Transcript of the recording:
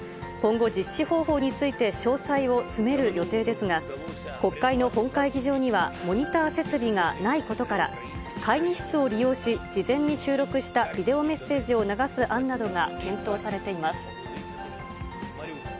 今後、実施方法について詳細を詰める予定ですが、国会の本会議場にはモニター設備がないことから、会議室を利用し、事前に収録したビデオメッセージを流す案などが検討されています。